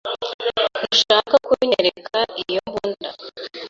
Ntushaka kunyereka iyo mbunda.